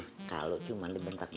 pak kalo cuma di bentak bentakan babe